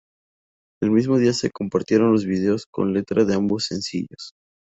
El mismo día se compartieron los videos con letra de ambos sencillos.